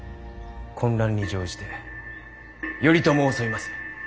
混乱に乗じて頼朝を襲います。